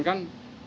ya makasih ya